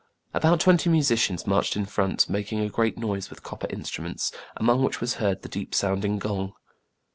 About twenty musicians marched in front, making a great noise with copper instruments, among which was heard the deep sounding gong.